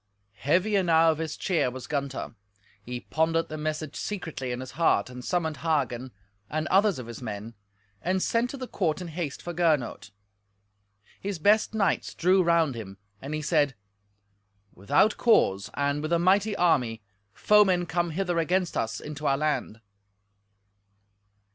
Heavy enow of his cheer was Gunther. He pondered the message secretly in his heart, and summoned Hagen, and others of his men, and sent to the court in haste for Gernot. His best knights drew round him, and he said, "Without cause, and with a mighty army, foemen come hither against us into our land."